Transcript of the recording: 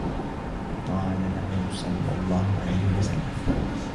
فَقَالَ لَهُ صَلَّى اللَّهُ عَلَيْهِ وَسَلَّمَ